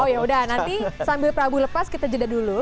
oh yaudah nanti sambil prabu lepas kita jeda dulu